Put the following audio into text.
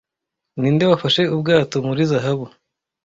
Ninde wafashe ubwato muri Zahabu